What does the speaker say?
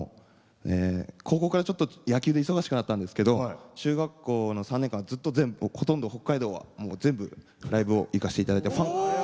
高校から、ちょっと野球で忙しくなったんですけど中学校の３年間ほとんど北海道、全部ライブを行かせていただいて。